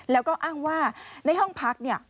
แล้วก็อ้างว่าในห้องพักเนี่ย